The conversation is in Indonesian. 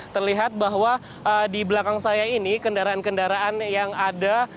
terlihat bahwa di belakang saya ini kendaraan kendaraan yang ada